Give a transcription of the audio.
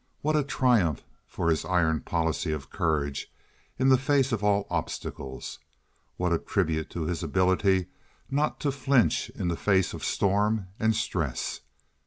What a triumph for his iron policy of courage in the face of all obstacles! What a tribute to his ability not to flinch in the face of storm and stress!